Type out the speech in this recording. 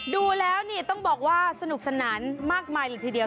ดูแล้วนี่ต้องบอกว่าสนุกสนานมากมายเลยทีเดียว